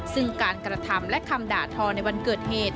ซึ่งการกระทำและคำด่าทอในวันเกิดเหตุ